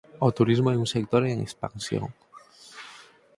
O turismo é un sector en expansión.